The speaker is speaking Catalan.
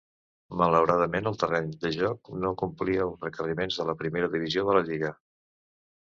Malauradament, el terreny de joc no complia els requeriments de la primera divisió de la lliga.